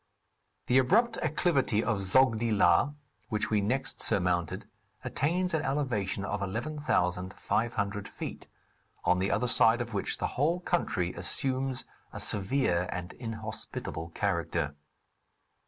The abrupt acclivity of Zodgi La, which we next surmounted, attains an elevation of 11,500 feet, on the other side of which the whole country assumes a severe and inhospitable character.